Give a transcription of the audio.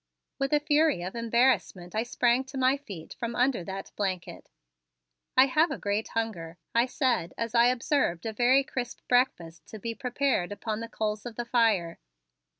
With a fury of embarrassment I sprang to my feet from under that blanket. "I have a great hunger," I said as I observed a very crisp breakfast to be prepared upon the coals of the fire.